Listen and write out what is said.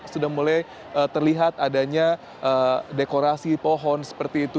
sudah mulai terlihat adanya dekorasi pohon seperti itu